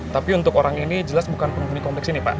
tapi untuk orang ini jelas bukan penghuni kompleks ini pak